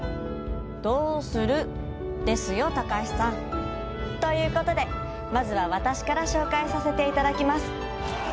「どうする」ですよ高橋さん。ということでまずは私から紹介させていただきます。